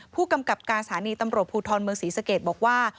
ผู้กำกับการสถานีตำรวจภูทรเมืองศรีสเกตบอกว่า